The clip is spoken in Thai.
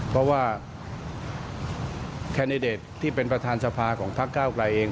เพราะว่าแคนดิเดตที่เป็นประธานสภาของพักเก้าไกลเอง